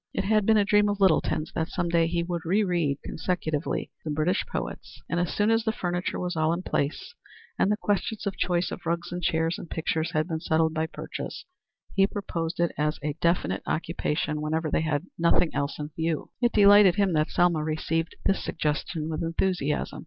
It had been a dream of Littleton's that some day he would re read consecutively the British poets, and as soon as the furniture was all in place and the questions of choice of rugs and chairs and pictures had been settled by purchase, he proposed it as a definite occupation whenever they had nothing else in view. It delighted him that Selma received this suggestion with enthusiasm.